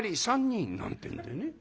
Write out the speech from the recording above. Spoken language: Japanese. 「３人」なんてんでね。